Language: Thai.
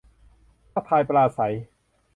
ทักทายปราศรัย